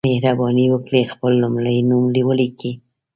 مهرباني وکړئ خپل لمړی نوم ولیکئ